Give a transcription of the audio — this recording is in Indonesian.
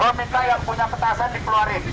gue minta yang punya petasan dikeluarin